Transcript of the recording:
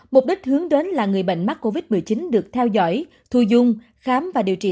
mục đích hướng đến là người bệnh mắc covid một mươi chín được theo dõi thu dung khám và điều trị